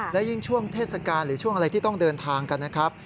และยิ่งช่วงเทศกาลหรือช่วงอะไรที่ต้องเดินทางกันนะครับ